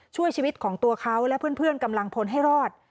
ช่วยชีวิตของตัวเขาและเพื่อนกำลังพลให้รอด